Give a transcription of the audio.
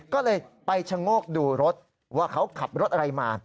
ก็เลยไปชะโงกดูรถว่าเขาขับรถอะไรมา